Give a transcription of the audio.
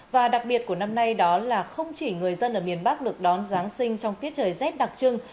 và đặc biệt của năm nay đó là không chỉ người dân ở miền bắc được đón giáng sinh trong tiết trời rét đặc trưng